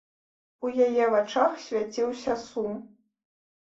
У яе вачах свяціўся сум.